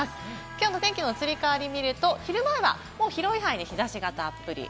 きょうの天気の移り変わりを見ると、昼間は広い範囲で日差しがたっぷり。